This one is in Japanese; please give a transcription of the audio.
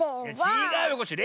ちがうよコッシー。